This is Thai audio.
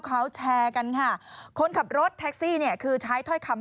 ทางวิวย่านยาลิธรรมสถวีวัฒนา